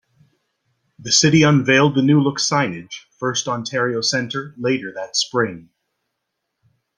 The city unveiled the new look signage, FirstOntario Centre, later that spring.